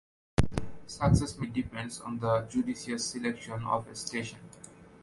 Success mainly depends on the judicious selection of a station.